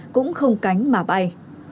cũng không cánh mà bay